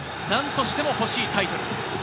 何としてもほしいタイトル。